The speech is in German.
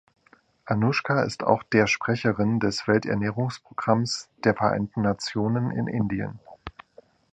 Anoushka ist auch der Sprecherin des Welternährungsprogramms der Vereinten Nationen in Indien.